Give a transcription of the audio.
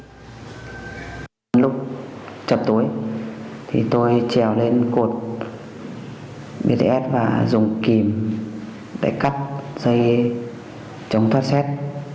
trong lúc chập tối thì tôi trèo lên cột bts và dùng kìm để cắt dây chống thoát xét